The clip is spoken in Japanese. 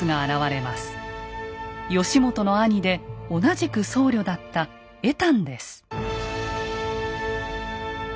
義元の兄で同じく僧侶だった恵探です。